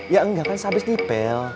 ya enggak kan sehabis dipel